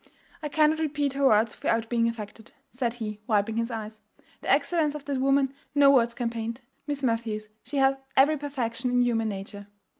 I cannot repeat her words without being affected," said he, wiping his eyes, "the excellence of that woman no words can paint: Miss Matthews, she hath every perfection in human nature.